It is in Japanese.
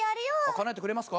かなえてくれますか？